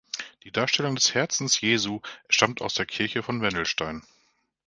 Die Darstellung des Herzens Jesu stammt aus der Kirche von Wendelstein.